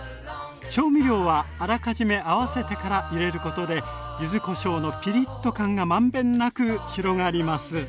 調味料はあらかじめ合わせてから入れることで柚子こしょうのピリッと感が満遍なく広がります。